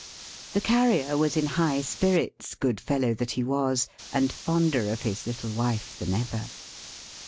The Carrier was in high spirits, good fellow that he was; and fonder of his little wife than ever.